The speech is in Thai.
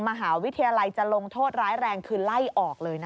มหาวิทยาลัยจะลงโทษร้ายแรงคือไล่ออกเลยนะคะ